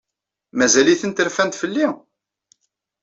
Mazal-itent rfant fell-i?